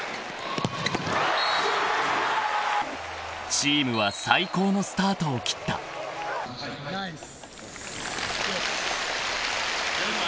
［チームは最高のスタートを切った］・ナイス！